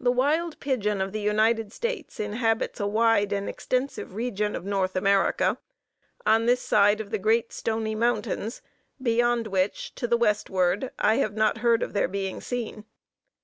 The wild pigeon of the United States inhabits a wide and extensive region of North America, on this side of the Great Stony Mountains, beyond which, to the westward, I have not heard of their being seen.